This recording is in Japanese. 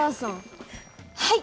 はい。